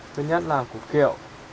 thứ nhất là củ kiệu